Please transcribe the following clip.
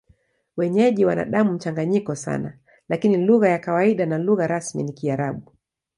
Wenyeji wana damu mchanganyiko sana, lakini lugha ya kawaida na lugha rasmi ni Kiarabu.